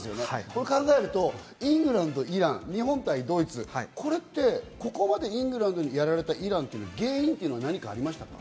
そう考えるとイングランド、イラン、日本対ドイツ、これってここまでイングランドにやられたイランという、原因は何かありましたか？